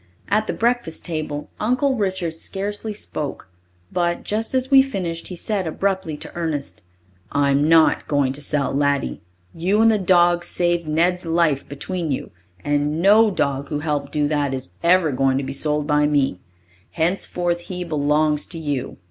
At the breakfast table Uncle Richard scarcely spoke. But, just as we finished, he said abruptly to Ernest, "I'm not going to sell Laddie. You and the dog saved Ned's life between you, and no dog who helped do that is ever going to be sold by me. Henceforth he belongs to you.